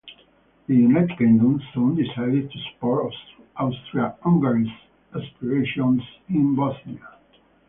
The United Kingdom soon decided to support Austria-Hungary's aspirations in Bosnia.